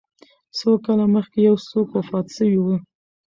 څو کاله مخکي یو څوک وفات سوی و